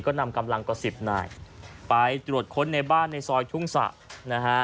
ก็นำกำลังกว่าสิบนายไปตรวจค้นในบ้านในซอยทุ่งสะนะฮะ